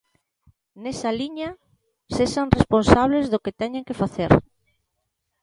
Nesa liña, sexan responsables do que teñen que facer.